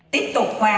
tiếp tục hoàn hảo